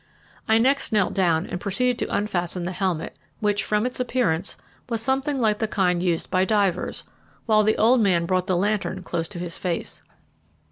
I next knelt down and proceeded to unfasten the helmet, which, from its appearance, was something like the kind used by divers, while the old man brought the lantern close to his face.